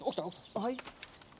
はい？